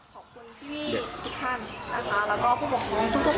ขอบคุณพี่ทุกท่านนะคะแล้วก็ผู้ปกครองทุกคน